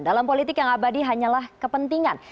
dalam politik yang abadi hanyalah kepentingan